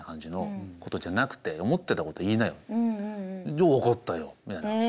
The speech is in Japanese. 「じゃあ分かったよ」みたいな。